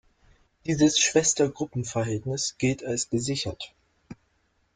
Dieses Schwestergruppenverhältnis gilt als gesichert.